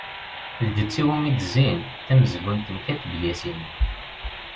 "Lǧetta iwumi d-zzin" d tamezgunt n Kateb Yasin.